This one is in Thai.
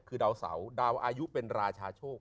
คือดาวเสาดาวอายุเป็นราชาโชค